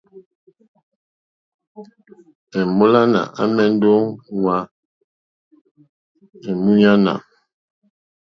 Èmólánà àmɛ́ndɛ́ ō ŋwá èmúɲánà.